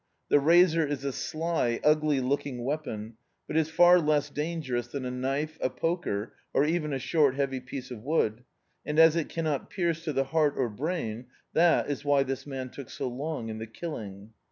Tlie razor is a sly, ugly looking weapon, but is far less dangerous than a knife, a poker, or even a short heavy piece of wood; and as it cannot pierce to the heart or brain, that is why this man took so long in the killing.